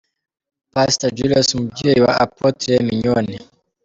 Pastor Julie umubyeyi wa Apotre Mignonne.